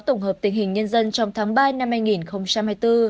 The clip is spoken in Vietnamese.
tổng hợp tình hình nhân dân trong tháng ba năm hai nghìn hai mươi bốn